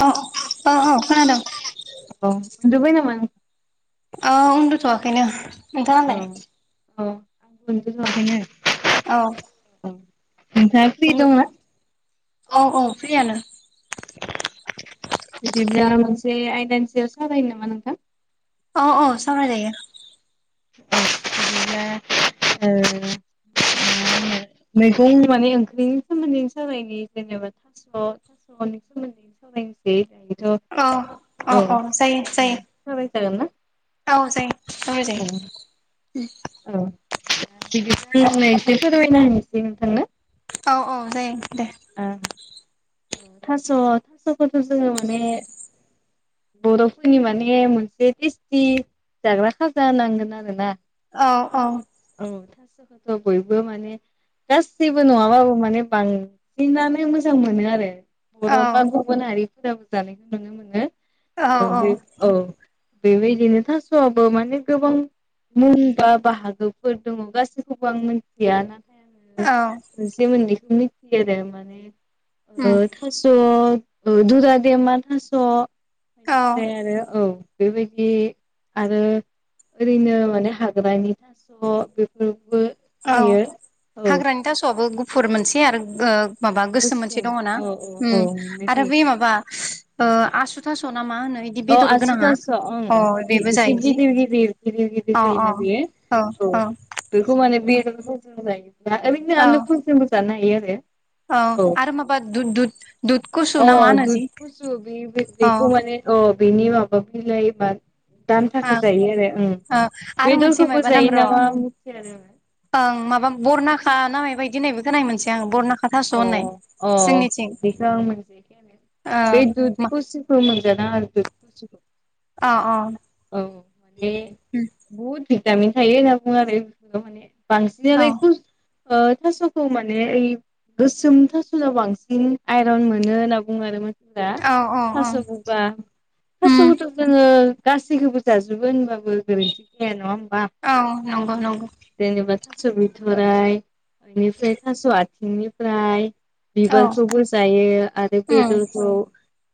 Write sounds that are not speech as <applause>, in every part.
औ औ औ खोनादों औ उन्दु नामा ओ उन्दु थवाखैनो नोंथाङा लाय? अ मोनफैथ'याखैनो। औ नोंथाङा फ्रि दंना? औ औ फ्रियानो। बिब्ला मोनसे आयदानि सायाव सावरायनो नामा नोंथां? अ औ सावराय जायो। <unintelligible> मैगं माने ओंख्रिनि सोमोन्दै सावनायनि जेनेबा थास' थास'नि सोमोन्दै सावरायनो <unintelligible> औ दायोथ' औ औ जायो सावराय जायो जागोन ना औ जायो सावराय औ जायो औ बिदिब्ला आं एसे फोरमायना होनोसै नोंथांनो औ औ जायो दे थास' थास'खौथ' जोङो माने बर'फोरनि माने मोनसे टेस्टि जाग्रा खाजा नांगोन आरोना औ औ औ थास'खौथ' बयबो माने गासैबो नङाबाबो माने बां नानो मोजां मोनो आरो औ बर' बा गुबुन हारिफोराबो जानायखौ नुनो मोनो औ बे औ बेबायदिनो थास'आबो माने गोबां मोनबा बाहागोफोर दङ गासैखौबो आं मिथिया ना आङो औ मोनसे मोननैखौ मिथियो आरो माने उम ओ थास' ओ दुुरा देमा थास' औ निफ्राय आरो औ बेबायदि आरो ओरैनो माने हाग्रानि थास' बेफोर औ हाग्रानि थास'आबो गुफुर मोनसे आरो माबा गोसोम मोनसे दङ ना औ औ ओम मोननाय आरो बे थायो माबा आसु थास ना मा होनो इदि अ बेदर आसु गोनाङा थास ओं अ बेबो एसे जायोदि गिदिर गिदिर अ जायो अ ना बियो औ बेखौ माने बेदरफोरजों जायो ओरैनो औ आलुफोरजोंबो जानो हायो आरो औ आरो माबा दुध दुध दुध कुसु अ ना मा होनो दुद जि कुसु बे औ बेखौ माने औ बिनि माबा बिलाइ बा दान्थाखौ ओं जायो आरो औ आरो मोनसे बेदरखौबो मायबा नाम जायो र' नामा मिथिया आरो ओं माबा बरनाखा ना म बायदि होननाय बे खोननाय मोनसै आं बरनाखा थास' अ होननाय अ जोंनिथिं बिदिखौ आं मोनजखाय ओ बे मा दुखुसिखौ मोन <unintelligible> अ अ उम <inaudible> भिटामिन थायो होनना बुङो आरो बे माने औ बांसिनानो थास'खौ माने ओइ गोसोमथासुलाव बांसिन आइरन मोनो होनना बुङो आरो मा दा औ औ औ थ'खौबा उम थ'खौथ' जोङो गासैखौबो जाजोबो होनबाबो गोरोन्थि गैया नङा औ नंगौ नंगौ जेनेबा थास' बिथ'राइ बेनिफ्राय थास' आथिंनिफ्राय औ बिबारखौबो जायो आरो उम बेदरखौ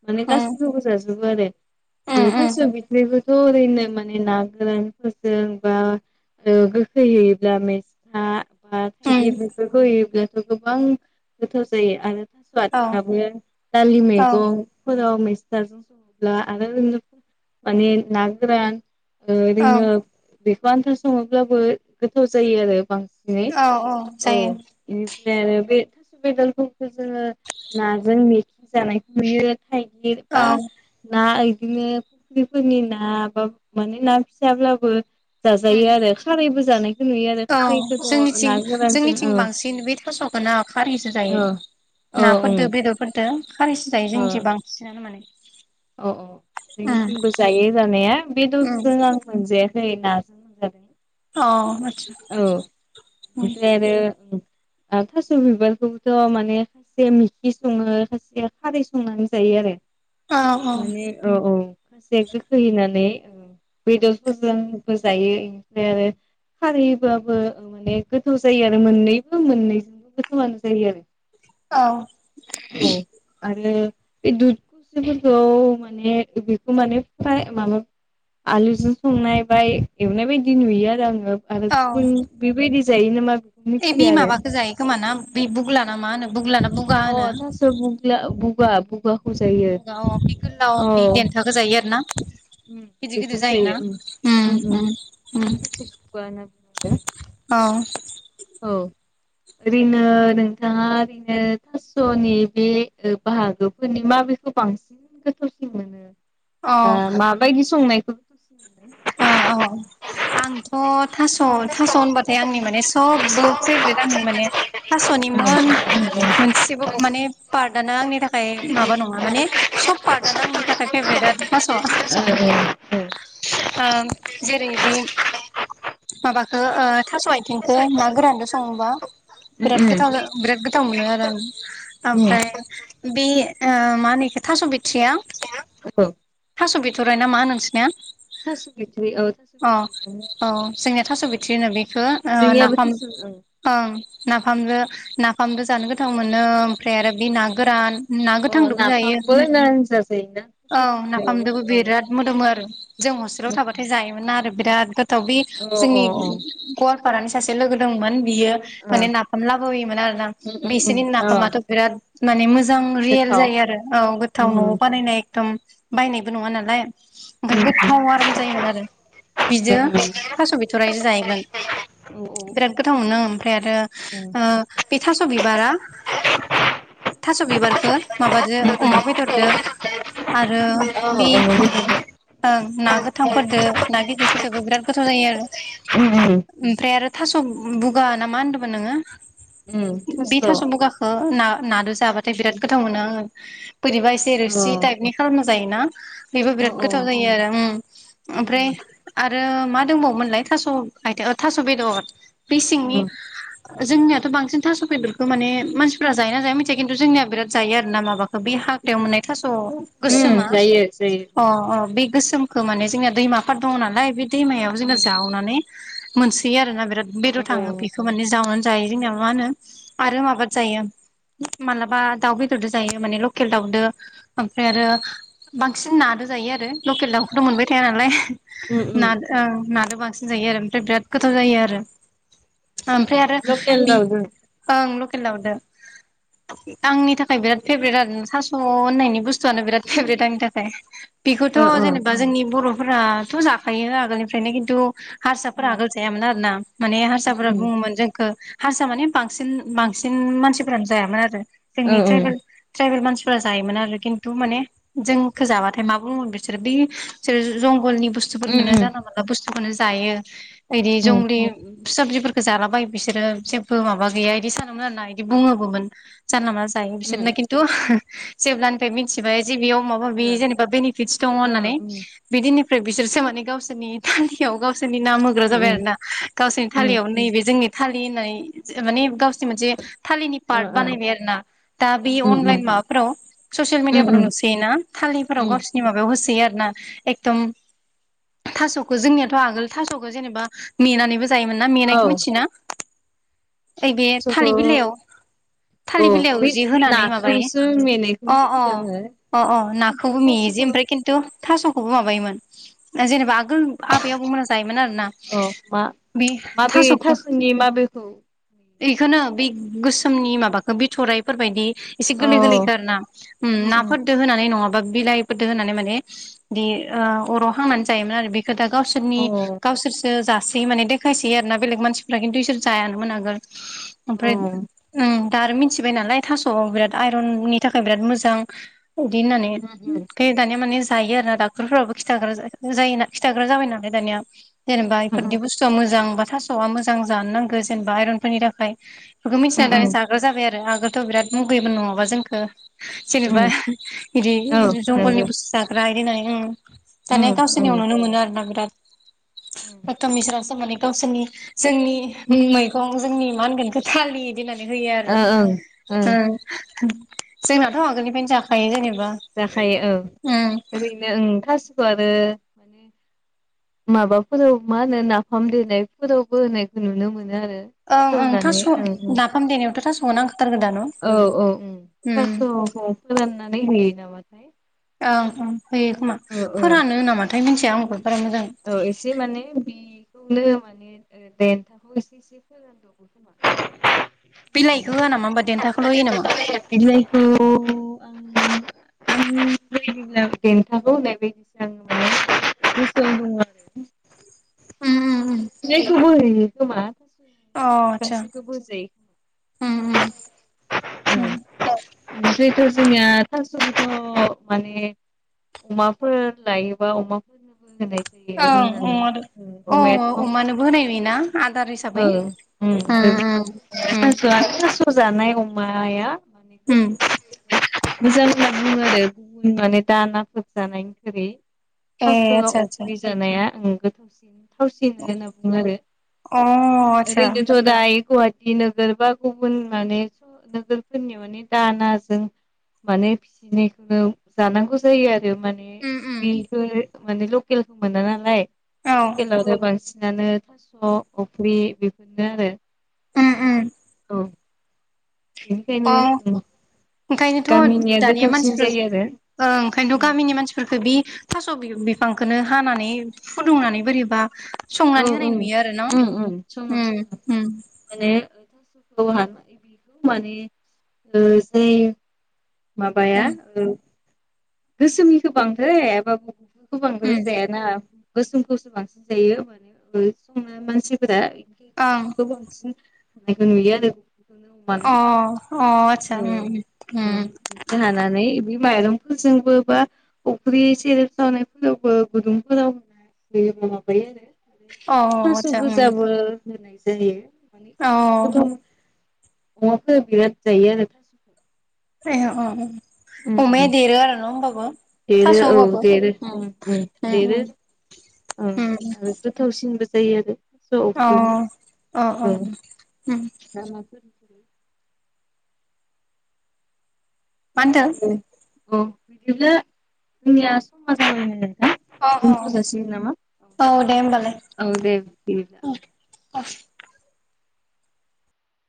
माने उम गासैखौबो जाजोबो उम आरो उम थासयाव बिदिनोबो जरैनो माने ना गोरानफोरजोंबा ओ गोखै हैयोब्ला मेसा बा उम थाइगिर बेफोरखौ होयोब्लाथ' गोबां गोथाव जायो आरो थास' औ आथिङाबो दालि औ मैगं फोराव मै <unintelligible> <inaudible> औ ओरैनो बेखौ आन्था सङोब्लाबो गोथाव जायो आरो बांसिनै औ औ जायो आरो बे बेदरफोरखौ जोङो नाजों मेखि जानायखौ नुयो थायगिर औ बा ना बिदिनो फुख्रिफोरनि ना बा माने ना फियाब्लाबो उम जाजायो आरो खारैबो जानाय औ जोंनिथिं जोंनिथिं औ बांसिन बे थास मोना खारैसो जायो औ औ ओं नाफोरदो बेदरफोरदो खारैस जायो जोंनिथि बांसिनानो माने अ औ उम जोंनिथिंबो जायो जानाया उम बेदरजों आं मोनजाया <unintelligible> अ औ ओमफ्राय आरो औ। आर थास'बिबारखौबोथ माने सेम ओंख्रि सङो खायसेया खारै संनानै जायो आरो। औ माने औ औ खायसे गोखै होनानै। ओ- बेदरफोरजोंबो जायो ओमफ्राय आरो। खारै होबाबो ओम माने गोथाव जायो आरो मोननैबो मोननैजोंबो गोथावनो जायो आरो। औ औ आरो बे दुद खुसिफोरखौ माने बेखौ माने फ्राय माबा आलुजों संनाय बाय एवनाय बायदि नुयो आरो आङो। आरो गुबुन बेबायदि जायो नामा? बेखौ नै बे मिथिया आरो माबाखौ जायो खोमा ना बे बुग्ला ना मा होनो बुग्ला ना बुगा अ होनो थास'बुग्ला बुगा बुगा बुगा अ-बे गोलाव बे देन्थाखौ जायो आरो ना? उम गिदिर बेखौ गिदिर जायो जायोना उम उम ओम उम ओम ओम। थास' बुगा होनना बुङो औ औ ओरैनो नोंथाङा ओरैनो थास'नि बे ओ-बाहागोफोरनि माबे? खौ बांसिन गोथावसिन मोनो औ ओ-माबायदि संनायखौ मोनो? औ औ आंथ‌ थास'-थास' होनबाथाय आंनि माने। सबबो फेभरेट आंनि माने थास'निमोन मोनसेबो माने पार्टदानो। आंनि थाखाय माबा नङा माने सब पर्टदानो आंनि थाखाय फेभरेट आरो थास'आ। <unintelligible> ओ- जेरै बे माबाखौ ओ-थास' आय इथिंखो ना गोरानजों सङोबा बिराद उम गोथाव जा-बिराद गोथाव मोनो आरो आं। उम ओमफ्राय बे ओ-मा होनो एखौ थास बिथिया औ थास बिथ थराय नामा नोंसिनिया थास' बिथ्रि औ थास' अ बिथ्रिखौ औ जोंनिया थास'बि थिनो बेखौ जोंनियाबो ओ-नाफाम थास' ओं ओं। नाफामजो नाफामबो जानो गोथां मोनो ओमफ्राय आरो बे ना गोरान। ना अ गोथांजोंबो जायो नाफामबो होनना होनजाजायोना थास' औ नाफामजोंबो बिराद मोदोमो आरो। जों हस्टेलाव थाबाथाय बिथ'राइयावबो जायोमोना आरो बिराद गोथाव बे औ अ जोंनि गवा लफारानि सासे लोगो दंमोन। बियो माने नाफाम लाबोयोमोन आरोना अ बिसोरनि अ नाफामाथ बिराद माने मोज जां रियेल गोथाव जायो आरो औ गोथाव नआव उम बानायनाय एखदम बायनायबो नङा नालाय। बेगो थाव आराम जायोमोन आरो बिजों थास' बिथ'रायजों जायोमोन। ओ ओ बिराद गोथाव मोनो ओमफ्राय आरो औ ओ- बे थास' बिबारा। थास' बिबारखौ माबादो अमा बेदरदो। औ आरो बे ओं ना गोथांफोरदो ना गिदिरफोरदोबो बिराद गोथाव जायो आरो। उम ओमफ्राय आरो थास' बुगा ना मा होनदोंमोन नोङो? उम बे अ थास' बगाखौ ना नादो जाबाथाय बिराद गोथाव मोनो आङो बोरबा एसे अ रोसि टाइपनि खालामना जायोना। बेबो अ बिराद गोथाव जायो आरो उम ओमफ्राय आ आरो मा दंबावोमोनलाय थास' आ थास' बेदर बे उम सिंनि उम जोंनियाथ' बांसिन थास' बेदरखौ मासिफोरा जायो ना जाया मिथिया खिन्थु जोंनिया बिराद जायो आरो ना माबाखौ बे हाग्रायाव मोननाय थास स' गोसोमा जायो जायो अ अ बे गोसोमखौ माने जोंनिना दैमाफोर दङ नालाय बे दैमायाव जोङो उम जावनानै मोनसौयो आरोना बिराद अ बेदर थाङो उम बेखौ माने जावनानै। जायो जोंनिया मा होनो आरो माबाद जायो। मालाबा दाउ बेदरजों जायो माने लकेल दाउदो ओमफ्राय आरो बांसिन ना जायो आरो लकेल दावखौथ' मोनबाय थाया नालाय उम ना औ नादो गोथाव जायो आरो बिराद गोथाब जायो आरो लकेल बि रावजों ओं खेल दावदो आंनि थाखाय बिराद फेभरेट आरो सास' होननायनि बुस्थुआनो बिराद फेभरेट आंनि थाखाय ओ थ' ओ जेनेबा जोंनि बर'फोराथ' जाखायो आगोलनिफ्रायनो खिन्थु हारसाफोरा उम आगोल जायामोन आरो ना माने हारसाफोरा उम बुङोमोन जोंखौ हारसा माने बांसिन बांसिन मानसिफोरानो जायामोन आरो ओ जोंनि ओं ट्राइबेल ट्रायबेल मानसिफोर जायोमोन आरो खिन्थु माने जोंखौ जाबाथाय मा बुङोमोन बिसोरो बे बिसोर जगलनि औ थास'खौ बुस्थुफोरखौनो जाना मोनला बुस्थुखौनो जायो बिदि जंगलि फि साबिफोरखौ जालाबाय बिसोरो जेबो माबा गैया बिदि सानोमोन आर ना बिदि बुङबोमोन जानला जायो बिसोरना खिन्थु जेब्लानिफ्राय मिथिबाय जे बेयाव माबा मिबि जेनेबा बेनिफिट दङ होननानै बिदिननिफ्राय बिसोरसो माने गावसोरनि थालियाव गाव गावसोरनि नाम होग्रा जाबाय आरो ना गावसोरनि थालियाव नैबे जोंनि फालि होननाय माने गावसनि मोनसे थालिनि पार्ट बानायबाय आरो ना दा बे अनलाइन माबाफोराव ससियेल मिडियाफोराव नुसय ना थालिफोराव गावसोरनि होसोयो आरो ना एकदम थास'खौ जोंनियाथ' आगोल थास'खौ जेनेबा नेनानैबो ज जायोमोन ना मेनायखौ मिथियो ना? ओबे थालिर बिलाइयाव औ थालिर बिलाइयाव बै जि होनानै माबायो नाखौसो मेनायखौ अ अ। मिथिगो आङो अ अ नाखौबो मेयो जे थास'खौ ओमफ्राय खिन्थु थास'खौबो माबायोमोन जेनेबा आबै आबौमोना जायोमोन आरो ना औ मा । बे माबे थासखो थास'नि माबेखौ बेखौनो बे गोसोमनि माबाखौ बिथराइफोरबायदि एसे अ गोरलै गोरलैखो आरो ना उम उम नाफोरदो होनानै नङाबा बिलाइ दो होननानै माने अराव हांनानै जायोमोन आरो दा अ गावसोरनि गावसोरसो जा सोयो माने देखायसै आरो ना बेलेग मानसिफ्रा खिन्थु इसोर जायानोमोन आागोन अ ओमफ्राय उम दा आरो मिथिबाय नालाय थास'आव बिराद आइरननि थाखाय बिराद मोजां बिदि होननानै उम बे दानिया माने जायो आरो ना ड'क्टरफोरावाबो खिथाग्रा जायो ना खिथाग्रा जाबाय नालाय दानिया जेनेबा उम इफोरदि बुस्थुआ मोजां बा थास'आ मोजां जानो नांगौ जेनेबा आइरनफोरनि थाखाय बेखौ उम मिथिनानै दनानै उम जाग्रा जाबाय आरो आगोलथ' बिराद मुगैबो नङाबा जोंखौ जेनेबा उम इदि औ जंगलनि नंगौ बुस्थु जाग्रा इदि होननानै आङो दानिया उम उम गावसोरनियाव उम नुनो मोनो आरो ना बिराद एकदम मिसोरासो माने गावसोरनि जोंनि मैगं जोंनि मा होनगोन थालिर गिनानै होयो ओ आरो ओं ओं जोंनाथ' आगोलनिफ्रायनो जाखायो जेनेबा जाखायो उम औ ओरैनो ओ थास आरो माबाफोराव मा होनो नाफाम देनायफोरावबो होनायखौ नुनो मोनो। आरो ओं थास' ओं थास' होनानै उम उम नाफाम देनायावथ' थास' नांखाथारगो दा न'? औ औ औ उम थास फोराननानै होयो नामाथाय औ होयो खोमा औ औ फोरानो होनामाथाय मिथिया आंबो बारा मोजां औ एसे माने बि खौनो माने देन्थाखौ एसे एसे फोरान दबो खोमा बिलाइखौ होआ नामा होमबा देन्थाखौल' होयो नामा? <inaudible> उम <unintelligible> दि देथखौ होननाय बायदिसो आङ माने गोसोन बुङ आरो उम उम उम <unintelligible> न खमख मा अ <unintelligible> आतसा गासैखौ बोजाय <unintelligible> औ जिहुथु' जोंनिया थास' बिस' माने अमाफोर लायोबा अमाफोर होयो ओं रुनानै अमादो अ अमायाथ' अमानोबो होनाय नुयोना आदार हिसाबै ओं उम उम थ'आ थास' जानाय अमाया माने उम गोथाव <unintelligible> मोजां होना बुङो आरो गुबुन माने दानाफोर जानायनिख्रुइ ए <unintelligible> आतसा आतसा अफ्रि जानाया ओं गोथावसिन थावसिनो होनना बुङो आरो अ आतसा ओरैनोथ' दायो गुवाहाटि टि नोगोर बा गुबुन माने नोगोरफोरनि माने दानाजों माने फिसिनायखौनो जानांगौ जायो आरो माने उम उम बेखौ माने लकेलखौ मोना नालाय औ लकेलाव आरो बांसिन सिनानो थास' अफ्रि बेफोरनो आरो उम उम औ अ बेनिखायनो ओंखायनोथ' गामिनिया दानिया गोथावसिन मानसिफोर जायो आरो ओ ओंखायनोथ' गामिनि मानसिफोरफोरखौ बे थास' बि-बिफ फांखौनो हानानै फुदुंनानै बोरैबा औ संनानै औ होनाय नुयो आरो न' उम उम समान समान उम उम माने <unintelligible> माबाया उम ओ गोसोमनिखौ बांद्राय हायाबाबो बेखौ बांद्राय उम जायाना गोसोमखौसो बांसिन जायो माने संनाय मानसिफोरा ओं बेफोरखौ बांसिन <unintelligible> मानो अ अ औ आतसा उम बिदिनो हानानै बे माइरं फोरजोंबो बा अफ्रि सेरेब सावनायफोरावबो गुदुंफोराव होन बेयो माबायो अ आरो थास' आतसा उम गोजाबो होनाय जायो अ <unintelligible> अमाफोरा बिराद जायो आरो थास'खौ। जायो अ उम उम अमाया देरो आरो न' होमबाबो? देरो थास' औ होबाबो देरो उम उम देरो औ उम आरो गोथावसिनबो जया आरो अ अ अ उम <unintelligible> मा होनदों? औ औ बिदिब्ला जोंनिया समा जाबायमोन। अ दोनथ'जासिगोन नामा? अ औ दे होमबालाय औ दे बिदिब्ला औ। <unintelligible>